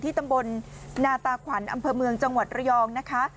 ตำบลนาตาขวัญอำเภอเมืองจังหวัดระยองนะคะ